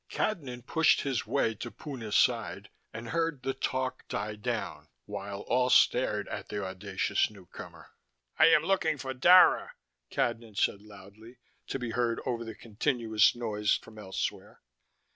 Cadnan pushed his way to Puna's side and heard the talk die down, while all stared at the audacious newcomer. "I am looking for Dara," Cadnan said loudly, to be heard over the continuous noise from elsewhere.